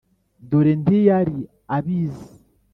dore ntiyari abizi;